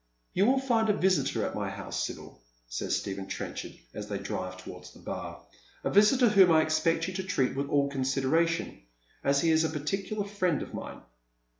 " You will find a visitor at my house, Sibyl," says Stephen Trenchard, as they drive towards the Bar, " a visitor whom I expect you to treat with all consideration, as he is a particular friend of mine."